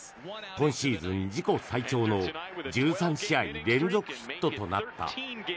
今シーズン自己最長の１３試合連続ヒットとなった。